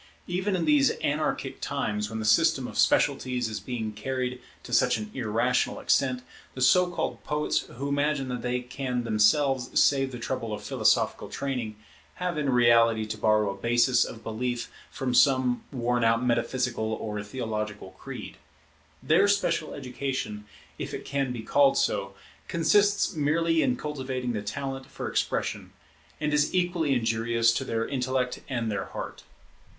Even in these anarchic times, when the system of specialities is being carried to such an irrational extent, the so called poets who imagine that they can themselves save the trouble of philosophical training, have in reality to borrow a basis of belief from some worn out metaphysical or theological creed. Their special education, if it can be called so, consists merely in cultivating the talent for expression, and is equally injurious to their intellect and their heart.